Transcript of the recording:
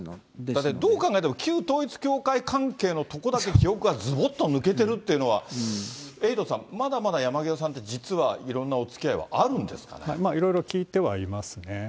だってどう考えても旧統一教会関係のとこだけ記憶がずぼっと抜けてるというのは、エイトさん、まだまだ山際さんって実はいろんいろいろ聞いてはいますね。